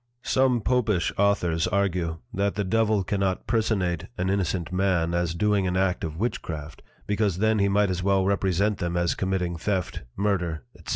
Some Popish Authors argue, That the Devil cannot personate an innocent Man as doing an act of Witchcraft, because then he might as well represent them as committing Theft, Murder, _&c.